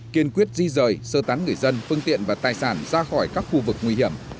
kiên quyết di rời sơ tán người dân phương tiện và tài sản ra khỏi các khu vực nguy hiểm